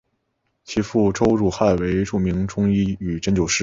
其父周汝汉为著名中医与针灸师。